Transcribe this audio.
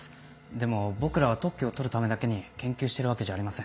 でも僕らは特許を取るためだけに研究してるわけじゃありません。